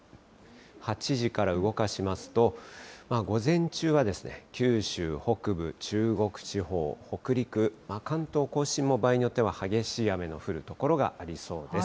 ８時から動かしますと、午前中は九州北部、中国地方、北陸、関東甲信も場合によっては激しい雨の降る所がありそうです。